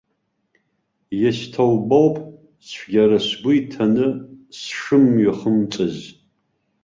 Исҭоубоуп, цәгьара сгәы иҭаны сшымҩахымҵыз.